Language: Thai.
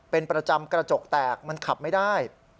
เป็นประจำกระจกแตกมันขับไม่ได้